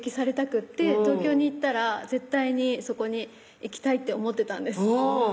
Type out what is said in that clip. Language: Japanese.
くって東京に行ったら絶対にそこに行きたいって思ってたんです